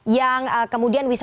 yang kemudian wisata